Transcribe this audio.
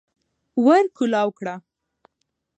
ور کولاو کړه